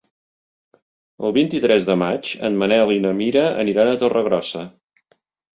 El vint-i-tres de maig en Manel i na Mira aniran a Torregrossa.